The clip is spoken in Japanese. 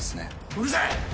うるさい！